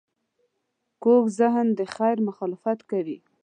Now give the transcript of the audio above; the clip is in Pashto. کوږ ذهن د خیر مخالفت کوي